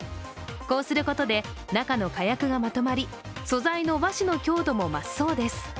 こうすることで、中の火薬がまとまり、素材の和紙の強度も増すそうです。